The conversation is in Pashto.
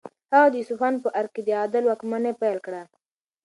هغه د اصفهان په ارګ کې د عدل واکمني پیل کړه.